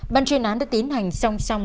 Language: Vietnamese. ban chuyên án đã tiến hành song song